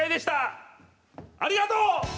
ありがとう！